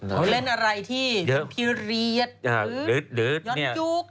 เขาเล่นอะไรที่พิเศษยอดยุกเยอะ